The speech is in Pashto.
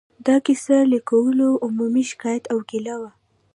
د کیسه لیکوالو عمومي شکایت او ګیله وه.